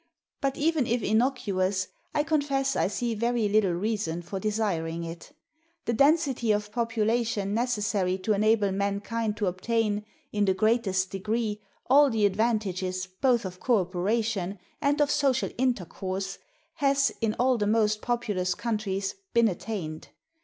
But even if innocuous, I confess I see very little reason for desiring it. The density of population necessary to enable mankind to obtain, in the greatest degree, all the advantages both of co operation and of social intercourse, has, in all the most populous countries, been attained.